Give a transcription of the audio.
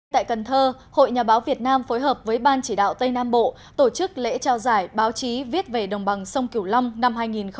tại cần thơ hội nhà báo việt nam phối hợp với ban chỉ đạo tây nam bộ tổ chức lễ trao giải báo chí viết về đồng bằng sông cửu long năm hai nghìn một mươi chín